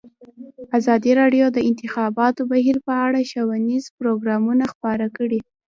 ازادي راډیو د د انتخاباتو بهیر په اړه ښوونیز پروګرامونه خپاره کړي.